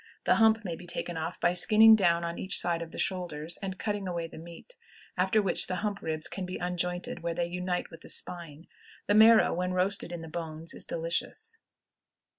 The hump may be taken off by skinning down on each side of the shoulders and cutting away the meat, after which the hump ribs can be unjointed where they unite with the spine. The marrow, when roasted in the bones, is delicious.